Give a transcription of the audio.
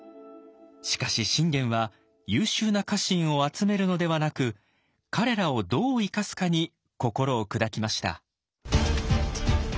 しかし信玄は優秀な家臣を集めるのではなく彼らを「どう生かすか」に心を砕きました。